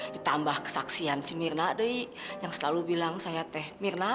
ditambah kesaksian si mirna yang selalu bilang saya mirna